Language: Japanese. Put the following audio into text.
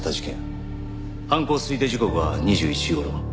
犯行推定時刻は２１時頃。